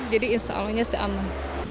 jadi insya allah sih aman